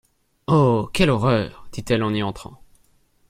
Oh ! quelle horreur ! dit-elle en y entrant.